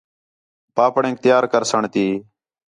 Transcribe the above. پاپڑینک تیار کرسݨ تی